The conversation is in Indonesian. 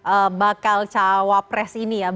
bagi semua nanti bakal cawapres yang ikut berkonteks ini